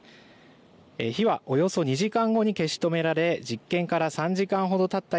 火はおよそ２時間後に消し止められ実験から３時間ほどたった